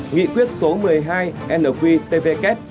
nghị quyết số một mươi hai nqtvk